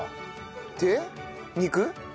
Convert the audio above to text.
で肉？